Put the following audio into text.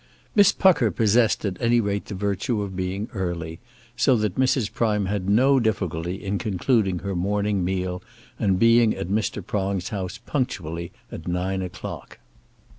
Miss Pucker possessed at any rate the virtue of being early, so that Mrs. Prime had no difficulty in concluding her "morning meal," and being at Mr. Prong's house punctually at nine o'clock.